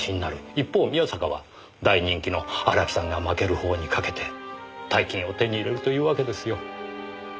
一方宮坂は大人気の荒木さんが負ける方に賭けて大金を手に入れるというわけですよ。